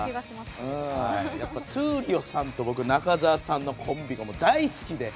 やっぱ闘莉王さんと中澤さんのコンビが大好きで。